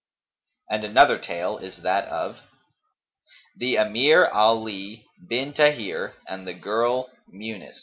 '" And another tale is that of THE EMIR ALI BIN TAHIR AND THE GIRL MUUNIS.